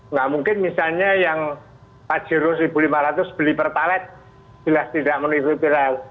nggak mungkin misalnya yang pajero rp satu lima ratus beli pertalite jelas tidak menilai ideal